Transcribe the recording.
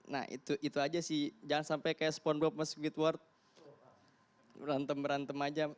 nah itu aja sih jangan sampai kayak spongebob meskwit word berantem berantem aja